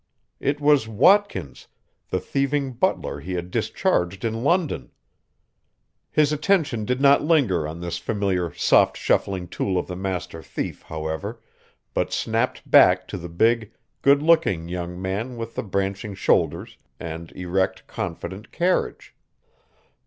It was Watkins, the thieving butler he had discharged in London. His attention did not linger on this familiar soft shuffling tool of the master thief, however, but snapped back to the big, good looking young man with the branching shoulders and erect, confident carriage.